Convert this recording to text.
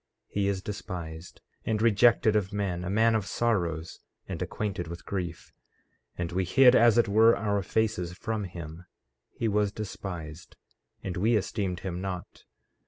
14:3 He is despised and rejected of men; a man of sorrows, and acquainted with grief; and we hid as it were our faces from him; he was despised, and we esteemed him not.